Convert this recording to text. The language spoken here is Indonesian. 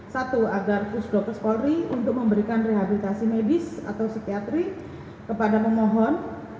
satu agar pusdokus polri untuk memberikan rehabilitasi medis atau psikiatri kepada pemohon